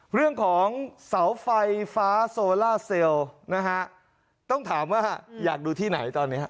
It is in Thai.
เรื่องของเสาไฟฟ้าโซล่าเซลล์นะฮะต้องถามว่าอยากดูที่ไหนตอนนี้